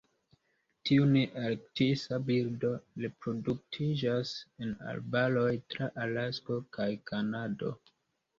Tiu nearktisa birdo reproduktiĝas en arbaroj tra Alasko kaj Kanado.